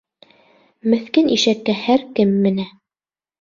Меҫкен ишәккә һәр кем менә.